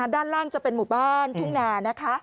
ด้านล่างจะเป็นหมู่บ้านทุ่งนานะคะ